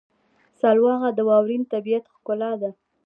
سلواغه د واورین طبیعت ښکلا لري.